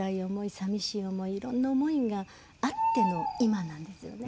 さみしい思いいろんな思いがあっての今なんですよね。